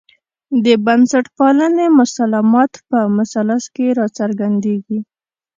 د بنسټپالنې مسلمات په مثلث کې راڅرګندېږي.